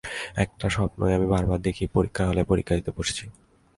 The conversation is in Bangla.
একটা স্বপ্নই আমি বারবার দেখি-পরীক্ষা হলে পরীক্ষা দিতে বসেছি।